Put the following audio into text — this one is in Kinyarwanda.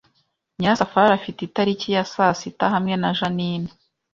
Nyirasafari afite itariki ya sasita hamwe na Jeaninne